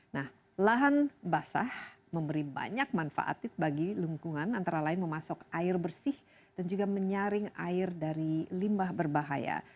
nah lahan basah memberi banyak manfaat bagi lingkungan antara lain memasok air bersih dan juga menyaring air dari limbah berbahaya